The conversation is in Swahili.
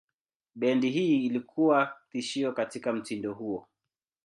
Bendi hii ilikuwa tishio katika mtindo huo.